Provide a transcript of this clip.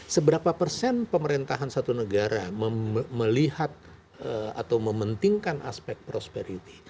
seberapa persen pemerintahan satu negara melihat atau mementingkan aspek prosperity